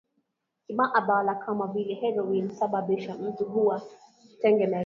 kimaabala kama vile heroin husababisha mtu kuwa tegemevu